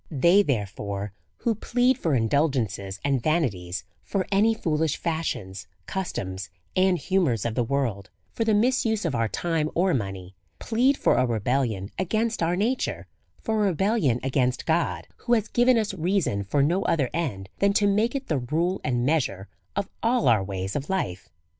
They, therefore, who plead for indulgences and va nities, for any foolish fashions, customs, and humours of the world, for the misuse of our time or money, plead for a rebellion against our nature, for a rebel lion against God, who has given us reason for no other end than to make it the rule and measure of all our ways of life.